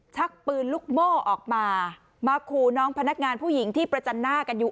ชักปืนลูกโม่ออกมามาขู่น้องพนักงานผู้หญิงที่ประจันหน้ากันอยู่